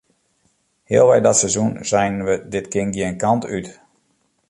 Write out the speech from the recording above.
Healwei dat seizoen seinen we dit kin gjin kant út.